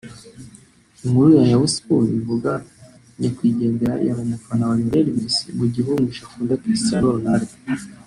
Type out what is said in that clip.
Inkuru ya Yahoo Sports ivuga nyakwigendera yari umufana wa Lionel Messi mu gihe uwamwishe akunda Cristiano Ronaldo